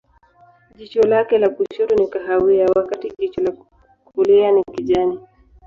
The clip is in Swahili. Jicho lake la kushoto ni kahawia, wakati jicho la kulia ni kijani.